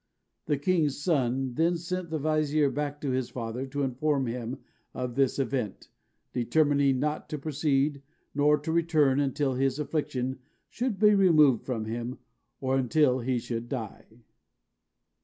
The king's son then sent the vizier back to his father to inform him of this event, determining not to proceed nor to return until his affliction should be removed from him, or until he should die.